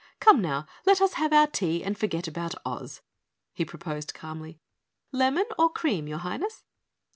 "Come now, let us have our tea and forget about Oz," he proposed calmly. "Lemon or cream, your Highness?"